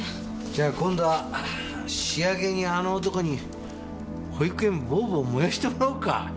じゃあ今度は仕上げにあの男に保育園ボーボー燃やしてもらおっか？